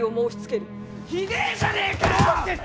ひでえじゃねえかよ！